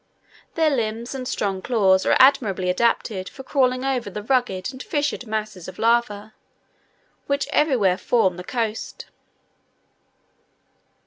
Their limbs and strong claws are admirably adapted for crawling over the rugged and fissured masses of lava, which everywhere form the coast.